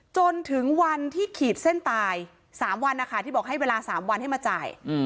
จนถึงวันที่ขีดเส้นตาย๓วันนะคะที่บอกให้เวลา๓วันให้มาจ่าย